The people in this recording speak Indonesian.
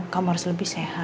kamu harus lebih sehat